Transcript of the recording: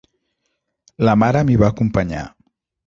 La mare m'hi va acompanyar.